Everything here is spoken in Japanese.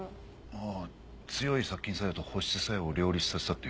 ああ強い殺菌作用と保湿作用を両立させたっていう。